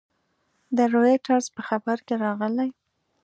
د رویټرز په خبر کې راغلي